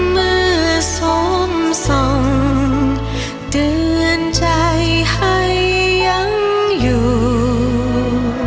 เมื่อสวมส่องเตือนใจให้ยังอยู่